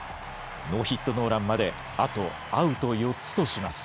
ノーヒットノーランまであとアウト４つとします。